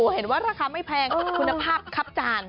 เห็นว่าราคาไม่แพงคุณภาพครับจาน